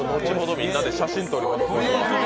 みんなで写真撮りましょう。